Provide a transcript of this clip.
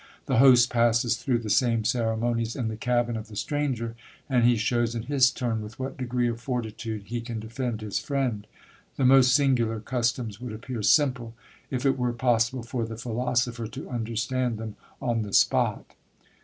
The host passes through the same ceremonies in the cabin of the stranger; and he shows, in his turn, with what degree of fortitude he can defend his friend. The most singular customs would appear simple, if it were possible for the philosopher to understand them on the spot.